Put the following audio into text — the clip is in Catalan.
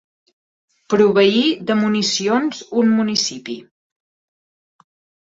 Proveí de municions un municipi.